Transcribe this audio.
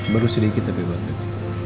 baru sedikit tapi banget